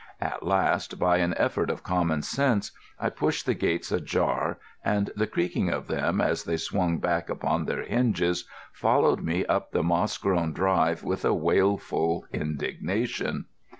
At last, by an effort of common sense, I pushed the gates ajar, and the creaking of them, as they swung back upon their hinges, followed me up the moss grown drive with a wailful indignation.